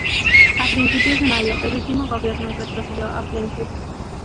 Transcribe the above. A principios de mayo, el último Gobierno retrocedió a Flensburg.